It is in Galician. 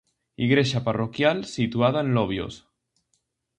Igrexa parroquial situada en Lobios.